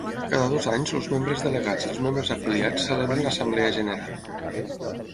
Cada dos anys els membres delegats i els membres afiliats celebren l'assemblea general.